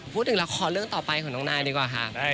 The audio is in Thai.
พูดถึงละครเรื่องต่อไปของน้องนายดีกว่าค่ะ